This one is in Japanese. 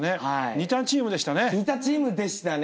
似たチームでしたね。